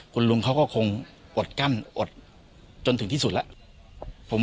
คุณลุงเขาก็คงอดกั้นอดจนถึงที่สุดแล้ว